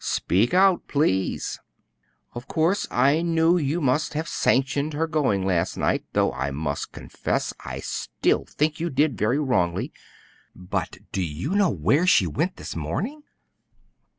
"Speak out, please." "Of course I knew you must have sanctioned her going last night, though, I must confess, I still think you did very wrongly; but do you know where she went this morning?"